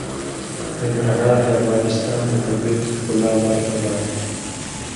ننګرهار د افغانستان د طبیعت د ښکلا برخه ده.